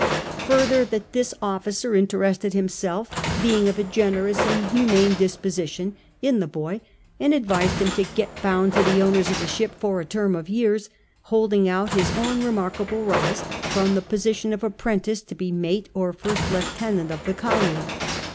Fuither, that this officer interested lumself, being of a generous and humane disposition, in the boy, and advised him to got bound to the owners of the ship for a term of years, holding out his own remarkable rise from the position of apprentice to be mate or first lieutenant of the collier.